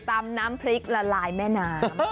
น้ำพริกละลายแม่น้ำ